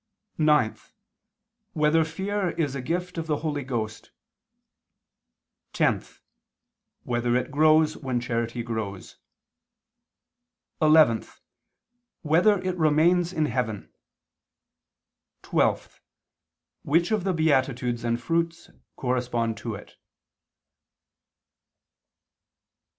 (9) Whether fear is a gift of the Holy Ghost? (10) Whether it grows when charity grows? (11) Whether it remains in heaven? (12) Which of the beatitudes and fruits correspond to it?